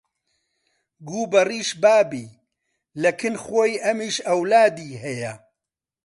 گوو بەڕیش بابی لە کن خۆی ئەمیش ئەولادی هەیە